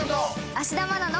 芦田愛菜の。